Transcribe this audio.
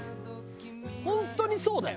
本当にそうだよ。